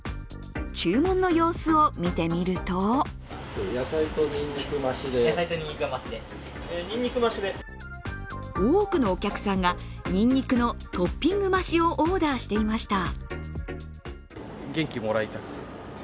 注文の様子を見てみると多くのお客さんがにんにくのトッピング増しをオーダーしていました。